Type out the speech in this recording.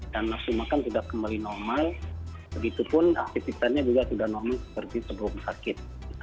dan langsung makan sudah kembali normal begitu pun aktivitasnya juga sudah normal seperti sebelum sakit